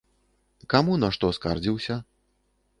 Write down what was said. Каму на што скардзіўся?